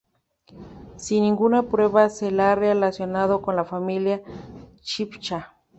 Sin ninguna prueba se la ha relacionado con la familia Chibcha.